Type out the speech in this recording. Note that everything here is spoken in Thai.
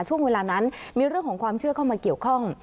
ช่วงเวลานั้นมีเรื่องของความเชื่อเข้ามาเกี่ยวข้อง